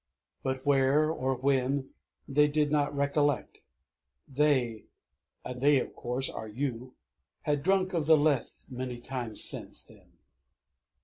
But where, or when, they did not recollect. They (and They, of course, are You) had drunk of Lethe many times since then.